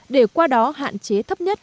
để qua đó hạn chế thấp nhất